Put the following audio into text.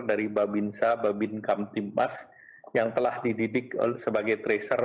dari babinsa babinkamtimmas yang telah dididik sebagai tracer